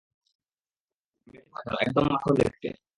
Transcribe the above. মেয়েটা যেই হোক না কেন, একদম মাখন দেখতে।